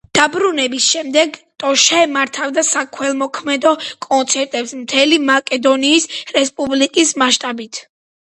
დაბრუნების შემდეგ, ტოშე მართავდა საქველმოქმედო კონცერტებს მთელი მაკედონიის რესპუბლიკის მასშტაბით.